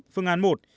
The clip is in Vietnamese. phương án một